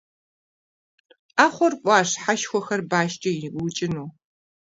Ӏэхъуэр кӀуащ, хьэшхуэхэр башкӀэ иукӀыну.